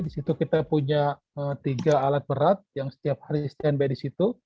di situ kita punya tiga alat berat yang setiap hari stand by di situ